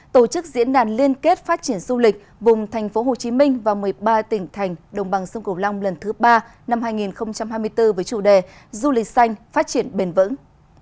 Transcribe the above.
tổ chức diễn đàn liên kết phát triển du lịch vùng tp hcm và một mươi ba tỉnh thành đồng bằng sông cổ long lần thứ ba năm hai nghìn hai mươi bốn với chủ đề du lịch xanh phát triển bền vững